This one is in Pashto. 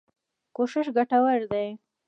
کوښښ ګټور دی.